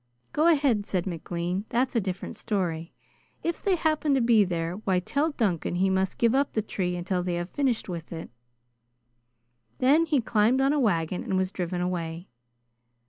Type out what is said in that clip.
"Go ahead," said McLean. "That's a different story. If they happen to be there, why tell Duncan he must give up the tree until they have finished with it." Then he climbed on a wagon and was driven away.